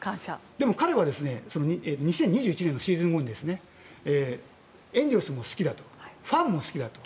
でも彼は２０２１年のシーズン後にエンゼルスも好きだとファンも好きだと。